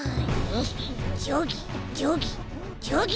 ジョギジョギジョギ。